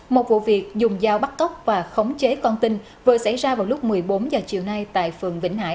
một vụ việc dùng dao bắt cóc và khống chế con tin vừa xảy ra vào lúc một mươi bốn h chiều nay tại phường vĩnh hải